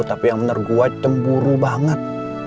tapi yang benar gue cemburu banget